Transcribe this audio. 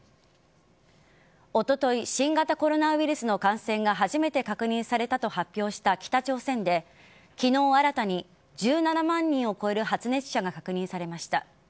おととい新型コロナウイルスの感染が初めて確認されたと発表した北朝鮮で昨日新たに１７万人を超える発熱者が確認されました。